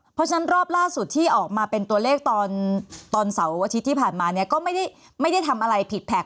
เพราะฉะนั้นรอบล่าสุดที่ออกมาเป็นตัวเลขตอนเสาร์อาทิตย์ที่ผ่านมาเนี่ยก็ไม่ได้ทำอะไรผิดแพ็ค